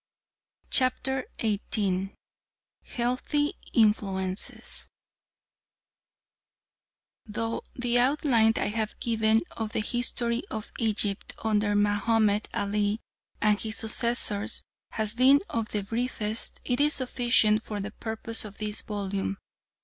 CHAPTER XVIII HEALTHY INFLUENCES Though the outline I have given of the history of Egypt under Mahomed Ali and his successors has been of the briefest, it is sufficient for the purpose of this volume.